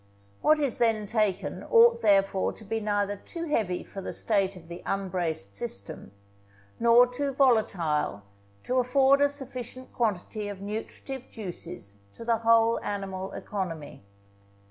What is then taken ought therefore to be neither too heavy for the state of the unbraced system; nor too volatile, to afford a sufficient quantity of nutritive juices to the whole animal economy.